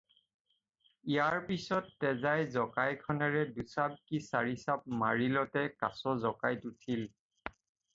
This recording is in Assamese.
ইয়াৰ পিছত তেজাই জকাইখনেৰে দুচাব কি চাৰি চাব মাৰিলতে কাছ জকাইত উঠিল।